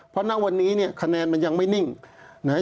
เพราะณวันนี้เนี่ยคะแนนมันยังไม่นิ่งนะฮะ